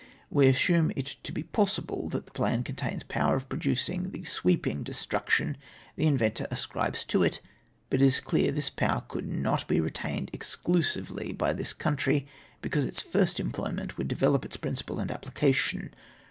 We assume it to be possible that the plan contahis poiver for 'producing tJie siveeping destruction the inventor ascribes to it; but it is clear this power could not be retained exclusively by this country, because its first employment would develope its principle and application.